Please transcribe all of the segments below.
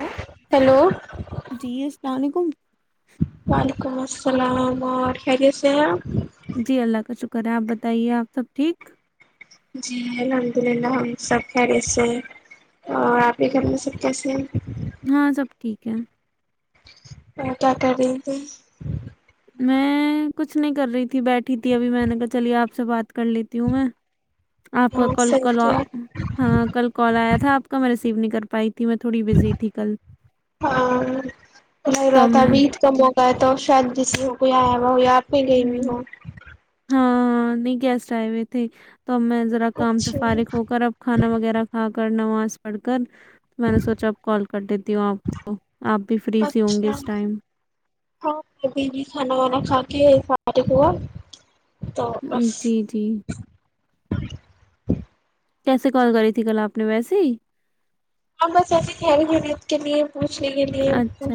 Hello hello جی السلام علیکم وعلیکم السلام اور خیری سےپ کریں آپ بتائیے آپ سب ٹھیک جی الحمد للہ ہم سب خری سے اور آپ کے گھر میں سب کیسے ہیں ہاں سب [inaudible] ٹھیک ہے اور کیا کر رہی ت میں کچھ نہیں کر رہی تھی بیٹھی تھی ابھی میں نے کہا چلیے آپ سے بات کر لیتی ہوں میں آپ کا ہاں کل صحیح کل کیا ہاں کل کال آیا تھا آپ کا مے سی نہیں کر پائی تھی میں تھوڑی بزی تھی کل ہاں گ تو رہات تھا میں ابھی عید کا موقع ہے تو شاید جیس ہو گ ہے وہ یا [inaudible] پ گئی م ہ ہاں ہاں نہیں گیسٹ آئے تھے توب میں ذرا کام سے اچھا فارغ ہو کر اب کھانا وغیرہ کھا کر نماز پڑھ کر میں نے سوچا اب کال کر دیتی ہوں آپ کو آپ بھی فری سے ہوں گے اچھا اس ٹائم کہ فٹی پا جی جی [inaudible] کیسے کال کری تھی کل آپ نے ویسے ہی ہاں بس اھی خیر خریت کے لیے پوچھنے کے لیے اچھا،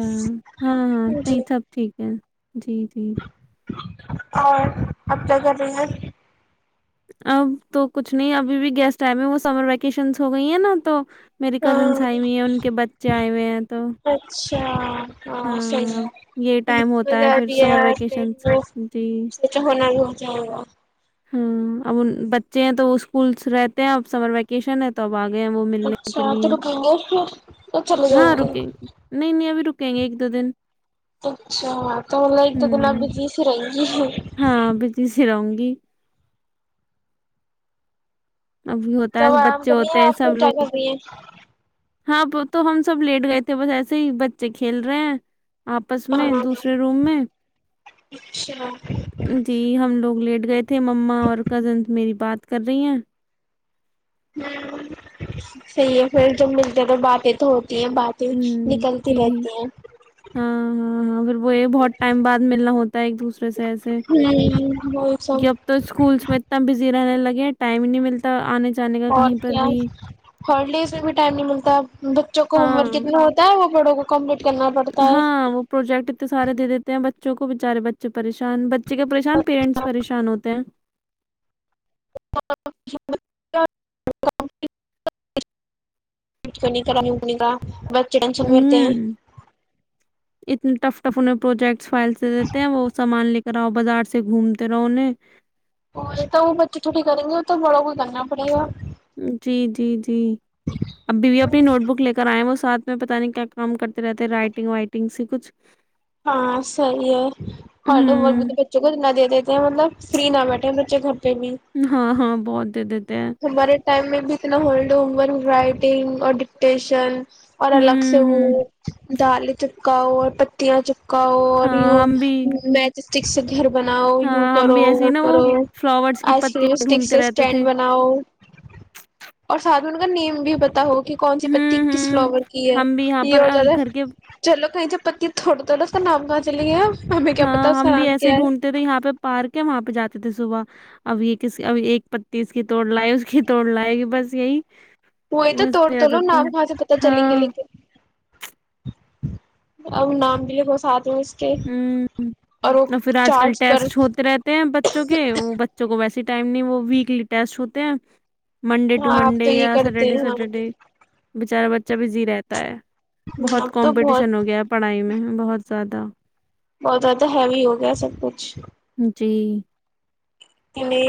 ہاں، ہاں، نہیں سب ٹھیک ہے۔ جی جی اور اب کیا کر رہے ہیں اب تو کچھ نہیں ابھی بھی گیسٹ آم ہے وہ سمر ویکیشن ہو گئی ہیں نا تو میری کزنس ہاں آئی ہوئی ہیں ان کے بچے آئے ہوئے ہیں تو چ ہاں سید اب یہ ٹائم ہوتا وغیرہ پھر بھی سمر ہے ویکیشنز جی، پ توا ہونا ہو جی ہاں اب بچے ہیں تو اسکولس رہتے ہیں اب سمر ویکیشن ہے تو اب آ گئے وہ ملنے کے اچھا تو لیے رکیں گے پھر تو چلے جائیں ہاں گے رکیں نہیں نہیں ابھی رک کہیں گے ایک دو دن اچھا تو مطلے ایک دو دن میں ہوں، بزی ہی رہیں گ ہاں ب ت سرو گی ابھی ہوتا کب ہے آرام بچے کرنی ہے ہوتے ہیں آپ کو سب کیا لوگ کرنی ہے ہاں تو ہم سب لیٹ گئے تھے بس ایسے ہی بچے کھیل رہے ہیں آپس میں دوسرے روم میں اچھا جی ہم لوگ لیٹ گئے ے مما اور کزن میری بات کر رہی ہیں صحی ہے پھر جب ملتے توگر باتیں تو ہو ہ جی ہاں ہاں ہاں پھر وہ یہ بہت ٹائم بعد ملنا ہوتا ہے ایک دوسرے سے ایسے ہمم وہی سب کیک اب تو اسکولس میں اتنا بزی رہنے لگے ہیں ٹائم نہیں ملتا آنے سے اور کیا ہالیڈیز میں بھی ٹائم نہیں ملتا بچوں کو ہوم ورک کتنا ہاں ہوتا ہے وہ بڑوں کو کم ہاں وہ پروجیکٹ انے سارے دے دیتے ہیں بچ بچوں کو بےچارے بچے پریشان بچے کے پریشان ہے پیرنٹس پریشان ہوتے ہیں [inaudible] کچ کو نہیں کر نہیں ہونے کاا بچے ٹینشن میرتے ہیں ہوں اتنے ٹف ٹف انہیں پروجیکٹ فائل سے دیتے ہیں وہ سامان لے کے کراؤ بازار سے گھومتے رہوہ اور تو وہ بچے چھوٹی کریں گے وہ تو بڑوں کو کرنا پڑے گا جی جی جی ابھی بھی اپنی نوٹ بک لے کر آئے وہ ساتھ میں پتہ نہیں کیا کام کرتے رہتے رائٹنگ وائٹنگ سی کچھ ہاں صحیح ہے ہرڈ تو ہوں بچوں کو نہ دے دیتے ہیں مطلب فری نہ بیٹھ بچے پہ بھی ہاں ہاں بہت دد ہمارے ٹائم میں بھی اتنا ہو تون رائٹنگ اور ڈکٹیشن اور الگ سے ہوں وہ ہوں دال چپکاؤ اور پتیاں چ اور ہاں ہم بھی میچ ٹ س گھر بناؤ یو ہاں ہم کرو بھی ایسے وہ ہی نا کرو فلاورس کی آئس کریم پتیاں اسٹک ڈھونڈتے سے رہتے تھے اسٹینڈ بنا اور ساتھ میں ان کا نیم بھی پتا ہوگا کہ کون سی پتی ہوں کس ہوں فلاور کی ہے ہم بھی یہاں یہ پر اور آ، زیادہ گھر کے چلو کہیں چ پتیی تھوڑا تھوڑا نام گا چلیے ہاں ہم بھی ایسے ہی ڈھونڈتے تھے یہاں پہ پارک ہے وہاں پہ جاتے تھے صبح اب یہ اب ایک پتی اس کی توڑ لائے اس کی توڑ لائے گی بس یہی وہئی تو توڑ ایسے تو رہتا لو نہ تھا بھی وہاں سے پتا چلیں گے ہاں لےیک اب نام بھی لیے بہس آتے ہ اس کے ہ وہ اور پھر آج کل چارٹس پر ٹیسٹ ہوتے رہتے ہیں بچوں کے بچوں کو ویسی ٹائم نہیں وہ ویکلی ٹیسٹ ہو تین منڈے ٹ ہاں آپ تو منڈے یہ یا سٹرڈے کرتے ٹو ہیں سٹرڈے ہاں بچارے ب چبزی رہتا ہے بہت اب تو بہت کمپٹیشن ہو گیا پڑھائی میں بہت زیادہ بہت زیادہ ہیوی ہو گیا سب کچھ ت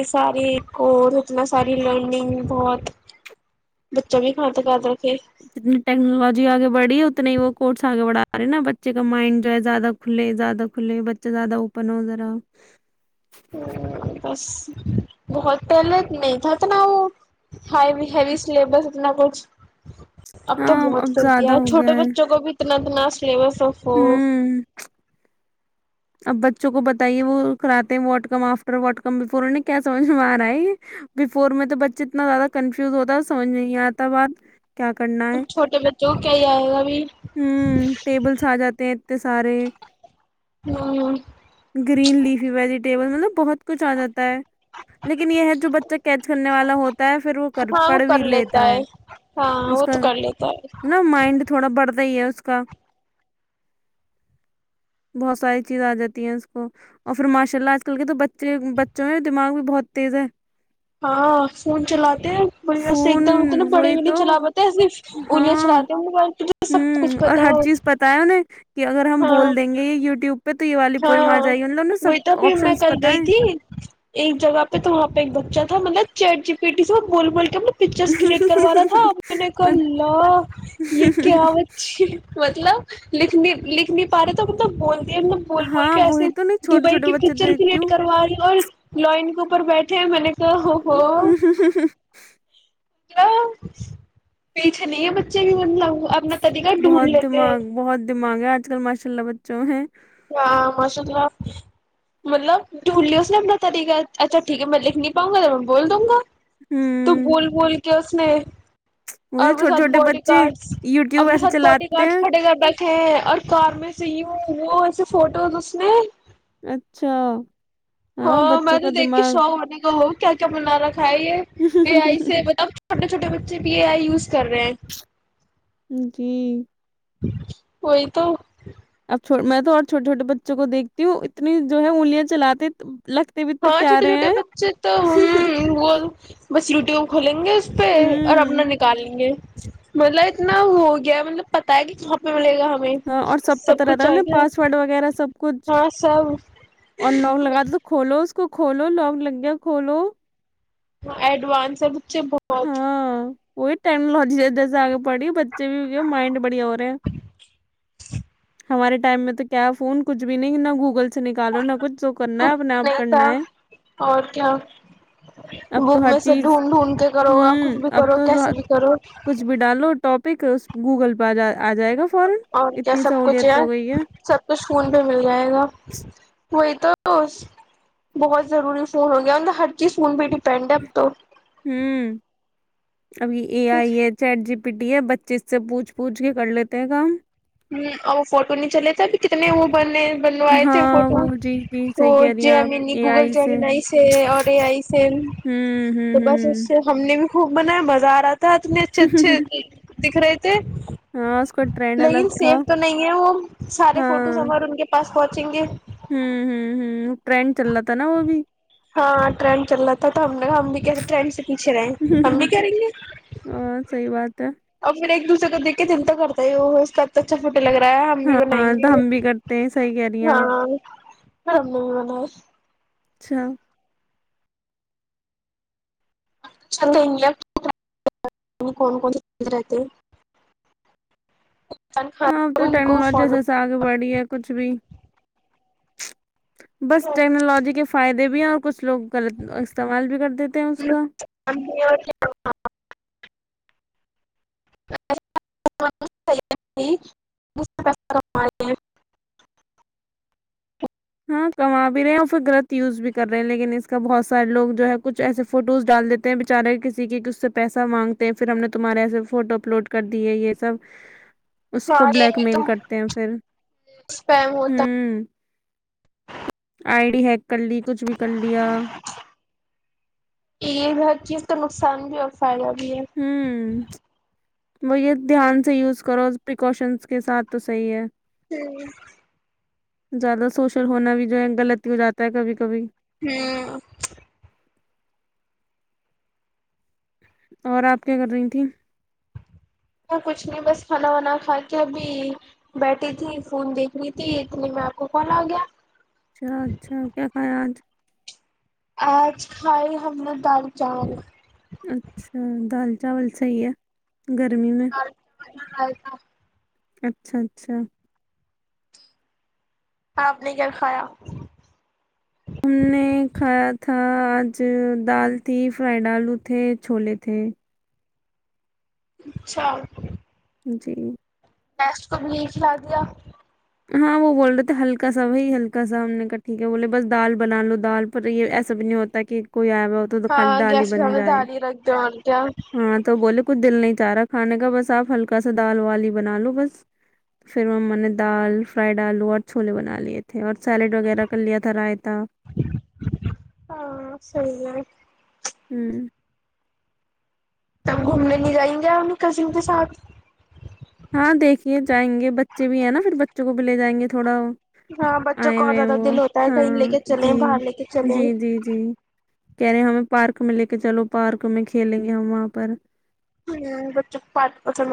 سارے اور اتنا ساری لرننگ بہت بچا بھی کاد کرتا اتنی ٹیکنالوجی آگے بڑھیی ات نہیں وہ کورٹس آگے بڑھا رہے ہیں نا بچے کا مائنڈ جو ہے زیادہ کھلے زیادہ کھلے بچے زیادہ اوپن ہو جا رہا ہ بس بہت پہلے نہیں تھا اتنا وہ ہائی ہیوی سلیبس اتنا کچھ اب تو ہاں بہت کرتی زیادہ ہے ہو گیا چھوٹے بچوں کو بھی اتنا اتنا سلیبس آف ہوں اب بچوں کو بتائیے وہ کراتے ہیں what come after what come before انہیں کیا سمجھ میں آ رہا ہے بفور میں تو بچے اتنا زیادہ کنفیوز ہوتا ہے سمجھ نہیں آتا بات کیا کرنا ہے چھوٹے بچوں کو کیا ہی آئے گا ابھی ہ ٹیبلس آ جاتے ہیں ت سارے ہوں گرین لیفی ویجیٹیبل مطلب بہت کچھ آ جاتا ہے لیکن یہ ہے جو بچہ کیچ کرنے والا ہوتا ہے پھر وہ کر ہاں وہ پڑھ بھی کر لیتا ہے ہاں اس وہ کا تو کر لیتا ہے نا مائنڈ تھوڑا بڑھتا ہی ہے اس کا بہت ساری چیز آ جاتی ہیں اس کو اور پھر ماشاء اللہ آج کل کے تو بچے بچوں ہیں دماغ بھی بہت تیز ہے ہاں فون چلاتے ہیں بڑھیا سے فون ایک دم اتنے پڑھے وہی بھی نہیں تو چلا پاتے ایسے اوریا ہاں چلاتے ہیں موبائل تو ہوں اور ہر چیز پتا ہے انہیں کہ اگر ہم بول ہاں دیں گے یہ و ٹیوب پہ تو یہ والی ہاں پوئم آ جائے گی مطلب انہیں وہی تو سب پھر میں آپشنس کل پتہ گئی ہیں تھی ایک جگہ پہ تو وہاں پہ ایک بچہ تھا چیٹ جی پیٹی سب بول بول کےول پکچرس کریئٹ کروا رہا تھا میںنے کہا اور اللہ یہ کیا چیز مطلب لکھنی لکھنی پارے مطلب بولتی ہے مطب بول بول ہاں کے ایسے وہی تو نہیں چھوٹے دبئی چھوٹے کی بچے پکچر دیکھتی کریٹ ہوں کروا رہی اور لو ان کے اوپر بیٹھے میں نے ا ہو ہو ما پیچھا نہیں ہے بچے بھی اپنا کدھی گ ڈھونڈ لتے ہے مانگا آج کل ماشاء اللہ بچوں ہے ہاں ماشاء اللہ مطلب ڈونلڈ اس نے اپنا طریقہ اچھا ٹھیک ہے میں لکھ نہیں پاؤں گا میں بول دوں گا تو ہوں بول بول کے [inaudible] اور مجھے اپنے چھوٹے ساتھ چھوٹے باڈی بچے گارڈس یوٹیوب اپنے ایسے ساتھ باڈی چلاتے گارڈس ہیں کھٹے رہتا ہ تھے اور کار میں سے یوں روز فوٹوز اس نے اچھا ہاں بچوں مار کا دیکھی س دماغ آنےک ہ کیا کیا بنا رہا کھائیے پ ایے مطب چھوٹے چھوٹے بچے پی اے آئی یوز کر رہے ہیں جی وہئی تو اب میں تو اور چھوے چھوٹے بچوں کو دیکھتی ہوں اتنی جو ہے انگلیاں چلات ہاں چھوٹے چھوٹے بچے تو ہ وہول بس روٹیو کو کولے گے اس پہ اور اپنا ہوں نکالیں گے مطلب اتنا ہو گیا مطلب پتا ہے کہ کہاں پہ ملے گا ہمیں ہاں اور سب پت رہتا کچھ آ انیں گیا پاسورڈ وغیرہ سب کچھ ہاں سب اور لاک لگا د تو کھولو اس کو کھولو لونگ لنگیا کھولو ایڈانس اھ بہت ہاں وہی ٹیکنالوجی اد سے آگے پڑھی بچے بھی ہوگئے مائنڈ بڑیا ہو رہا ہیں ج ہمارے ٹائم میں تو کیا ہے فون کچھ بھی نہیں نا گوگل نکالو نہ کچھ تو کرنا ہے کچھ اپنے بھی آپ نہیں کرنا تھا ہے اور کیا اب تو بک ہر میں سے چیز ڈھونڈ ڈھونڈ کے ہ کرو گا کچھ بھی اب کرو تو کیسے بھی کرو کچھ بھی ڈالو ٹاپک اس گوگل پہ جا آ جائے گا فوران اور اتنا کیا سب کچھ سب کچھ خون پہ مل جائے گا وہی تو بہت ضروری فون ہو گیا مط ہر چیز فون پہ ڈیپینڈ ہے اب تو ہوں ابھی ا آئی تو ہے چٹ جی پیٹی ہے بچے اس سے پوچھ پوچھ کے کر لیتے ہیں کام ہوں اور وہ فوٹو نیچا لیتا بھی کتنے وہ بنے بنوائے تھے ہاں فوٹو وہ جی جی تو صحیح کہہ رہی ہیں آپ Gemini a Google I Gemini I سے اور اے آئی سے ہوں ہوں تو بس اس سے ہوں ہم نے بھی خوب من ہے بزارات تت ن چچ چ [unintelligible] دکھ رہے تھ ہاںس کو [unintelligible] لیکن سیف تو نہیں ہے وہ سارے ہاں فوٹوز ہمار ان کے پاس پہنچیں گے ہوں ہ ہ ٹرین چل رہا تھا نا وہ بھی ہاں ٹرین چل رہا تھا تو ہم نےا ہم بھی کہ تھے ٹرین سے یچھ رہے ہم بھی کریں گے ہاں صحیح بات ہے اور پھر ایک دوسرے کو دیک کے دلتا کرتا ہے وہ سب اچھا اھ لگ رہا ہے ہم بھی بنائیں ہاں تو گے ہم بھی کرتے ہیں صحیح کہہ رہی ہیں آپ ہاں ہمم نہیں مل اچھا [inaudible] چل کون کون کھیل رہتے ان ہاں اب تو کو فالو ٹیکنالوجیسس آگے بڑھی ہے کچھ بھی بس ہاں ٹیکنالوجی کے فائدے بھی ہیں اور کچھ لوگ غلط استعمال بھی کر دیتے ہیں اس کا [inaudible] ہاں کما بھی رہے ہیں اور پھر غلط یوز بھی کر رہے ہیں لیکن اس کا بہت سارے لوگ جو ہے کچھ ایسے فوٹوز ڈال دیتے ہیں بچارے کسی کی اس سے پیسہ مانگتے ہیں پھر ہم نے تمہارے ایسے فوٹو اپلوڈ کر دی ہے یہ سب اس کو یہ بلیک بھی میل تو کرتے ہیں پھر اسپیم ہوتا ہوں آئی ڈی ہیک کر لی کچھ بھی کر لیا یہ ہر چیز تو نقصان بھی ہو فائدہ بھی ہے ہوں وہ یہ دھیان سے یوز کرو پریکاشنز کے ساتھ تو صحیح ہے ہوں [unintelligible] زیادہ سوشل ہونا بھی جو ہے غلط ہی ہو جاتا ہے کبھی کبھی ہوں [unintelligible] اور آپ کیا کر رہی تھیں کچھ نہیں بس کھانا وانا کھا کے ابھی بیٹھی تھی فون دیکھ رہی تھی اتنی میں آپ کو کال آ گیا اچھا اچھا کیا کھایا آج آج کھائی ہم نے دال چاول اچھا دال چاول صحیح ہے گرمی میں آتاا [unintelligible] اچھا اچھا اپ نے کیا کھایا ہم نے کھایا تھا آج دال تھی فرائیڈ آلو تھے چھولے تھے اچھا جی ٹیسٹ کب نہیں کھلا دیا ہاں وہ بول رہے تھے ہلکا سا وہی ہلکا سا ہم نے کا ٹھیک ہے بولے بس دال بنا لو دال پر یہ ایسا بھی نہیں ہوتا کہ کوئی آیا ہوا ہو تو تو خالی ہاں ڈالی گیس پہ ہم بن نے جائے دال ہی رکھ دیا اور کیا ہاں تو بولے کچھ دل نہیں چارا کھانے کا بس آپ ہلکا سا دال وال ہی بنا لو بس پھر ما نے دال فرائی ڈال اور چھولے بنا لیے تھے تھے اور سیلیڈ وغیرہ کر لیا تھا رائتا ہاں صحیح ہے ہوں تب گھومنے لے جائیں گے اپنی کزن کے ساتھ ہاں دیکھیے جائیں گے بچے بھی ہیں نا پھر بچوں کو بھی لے جائیں گے تھوڑا وہ ہاں بچوں آئے کو اور ہوئے ہیں زیادہ دل ہوتا ہے کہیں لے ہاں کے چلیں جی باہر لے کے جی چلیں جی جی کہہ رہے ہیں ہمیں پارک میں لے کے چلو پارک میں کھیلیں گے ہم وہاں پر ہ بچوں پات پچ ن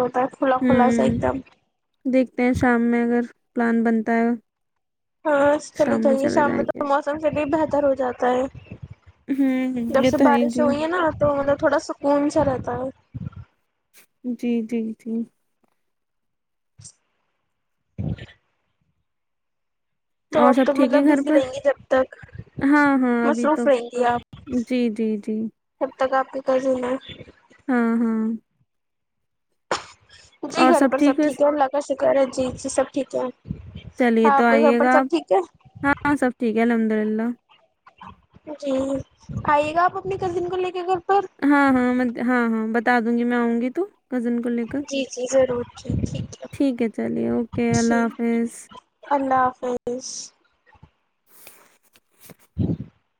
ہوں دیکھتے ہیں شام میں اگر پلان بنتا ہے ہاں چلی جائیے چلے شام میں جائیں تو گے موسم چلیے بہت بہتر ہو جاتا ہے ہوں ہ جب یہ سے تو ہے بارش جی ہوئی نا تو مطلب تھوڑا سکون سا رہتا ہے جی جی جی ج اور سب ٹھیک ہے مطلب گھر بزی پر رہیں گی جب تک ہاں ہاں ابھی تو مصروف رہیں گی آپ جی جی جی جب تک آپ کی کزن ہے ہاں ہاں تجھے گھر پر سب ٹھیک ہے ال للہ کا شک کر جی ج سب ٹھیک ہے چلیے ہاں تو آپ کے گھر آئیے پر گا سب ٹھیک ہے آپ ہاں سب ٹھیک ہے لم مرلہ جی آئیے گا آپ اپنی کزن کو لے کے پر ہاں ہاں میں ہاں ہاں بتا دوں گی میں آؤں گی تو کزن کو لے کر جی جی ضرور جی ٹھیک ہے چلیے اوکے اللہ حافظ فرانس ہاں